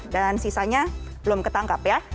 dan sisanya belum ketangkap ya